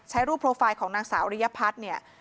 รูปโปรไฟล์ของนางสาวอริยพัฒน์เนี่ย